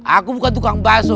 aku bukan tukang bakso